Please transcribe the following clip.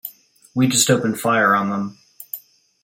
We just opened fire on them.